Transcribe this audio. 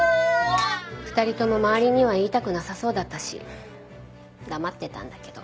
２人とも周りには言いたくなさそうだったし黙ってたんだけど。